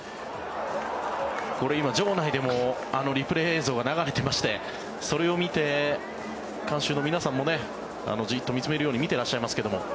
これ今、場内でもリプレー映像が流れていましてそれを見て観衆の皆さんもじっと見つめるように見ていらっしゃいますけども。